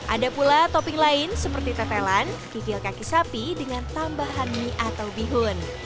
ada pula topping lain seperti tetelan kikil kaki sapi dengan tambahan mie atau bihun